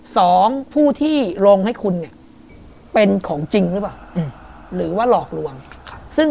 สองผู้ที่ลงให้คุณเนี่ยเป็นของจริงหรือเปล่าหรือว่าหลอกลวง